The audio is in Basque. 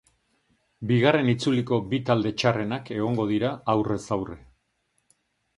Bigarren itzuliko bi talde txarrenak egongo dira aurrez-aurre.